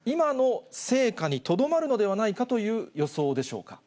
今の戦果にとどまるのではないかという予想でしょうか。